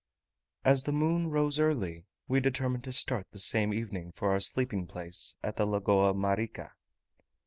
As the moon rose early, we determined to start the same evening for our sleeping place at the Lagoa Marica.